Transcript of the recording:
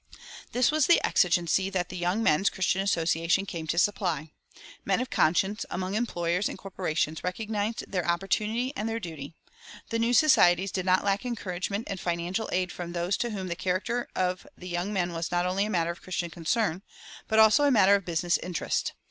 This was the exigency that the Young Men's Christian Association came to supply. Men of conscience among employers and corporations recognized their opportunity and their duty. The new societies did not lack encouragement and financial aid from those to whom the character of the young men was not only a matter of Christian concern, but also a matter of business interest.